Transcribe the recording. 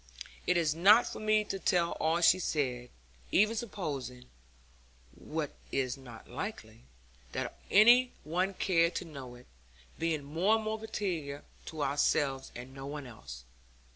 It is not for me to tell all she said, even supposing (what is not likely) that any one cared to know it, being more and more peculiar to ourselves and no one else.